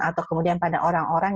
atau kemudian pada orang orang